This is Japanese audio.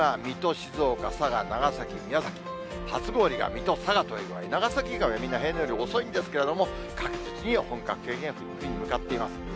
静岡、佐賀、長崎、宮崎、初氷が水戸、佐賀という具合に、長崎以外は平年より遅いんですけれども、確実に本格的な冬に向かっています。